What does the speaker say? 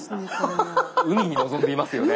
海に臨んでいますよね。